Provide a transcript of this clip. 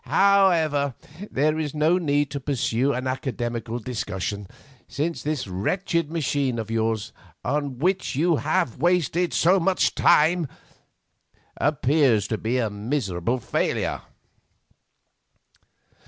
However, there is no need to pursue an academical discussion, since this wretched machine of yours, on which you have wasted so much time, appears to be a miserable failure."